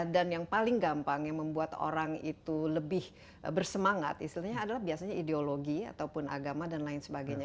dan yang paling gampang yang membuat orang itu lebih bersemangat istilahnya adalah biasanya ideologi ataupun agama dan lain sebagainya